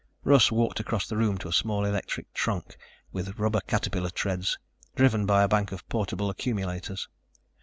Russ walked across the room to a small electric truck with rubber caterpillar treads, driven by a bank of portable accumulators.